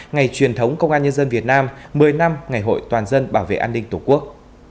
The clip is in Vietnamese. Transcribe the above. ngày truyền thống công an nhân dân việt nam một mươi năm ngày hội toàn dân bảo vệ an ninh tổ quốc